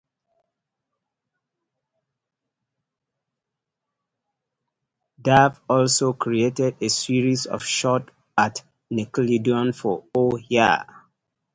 Dave also created a series of shorts at Nickelodeon for Oh Yeah!